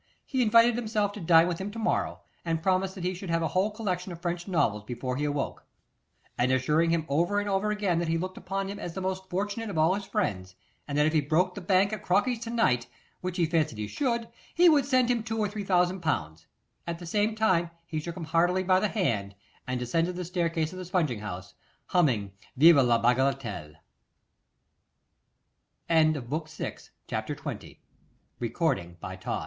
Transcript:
He invited himself to dine with him to morrow, and promised that he should have a whole collection of French novels before he awoke. And assuring him over and over again that he looked upon him as the most fortunate of all his friends, and that if he broke the bank at Crocky's to night, which he fancied he should, he would send him two or three thousand pounds; at the same time he shook him heartily by the hand, and descended the staircase of the spunging house, humming Vive la Bagatelle.